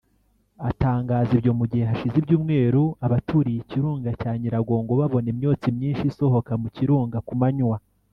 Atangaza ibyo mu gihe hashize ibyumweru abaturiye ikirunga cya Nyiragongo babona imyotsi myinshi isohoka mu kirunga ku manywa